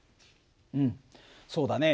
うんそうだね。